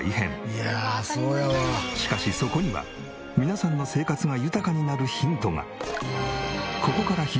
しかしそこには皆さんの生活が豊かになるヒントが。